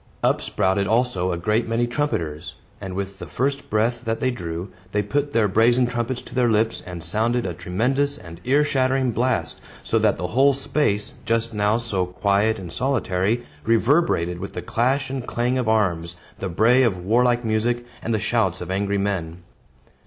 Up sprouted also a great many trumpeters; and with the first breath that they drew, they put their brazen trumpets to their lips, and sounded a tremendous and ear shattering blast, so that the whole space, just now so quiet and solitary, reverberated with the clash and clang of arms, the bray of warlike music, and the shouts of angry men.